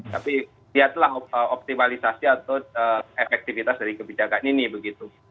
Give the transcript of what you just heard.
tapi lihatlah optimalisasi atau efektivitas dari kebijakan ini begitu